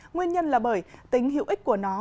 nguyên nhân là bởi tính hữu ích của nó